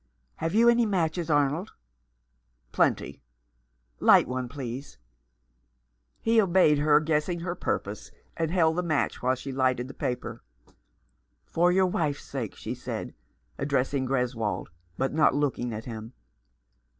" Have you any matches, Arnold ?" "Plenty." "Light one, please." He obeyed her, guessing her purpose, and held the match while she lighted the paper. " For your wife's sake," she said, addressing Greswold, but not looking at him.